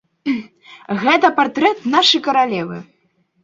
Гэта партрэт нашай каралевы!